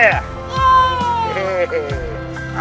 โอ้โห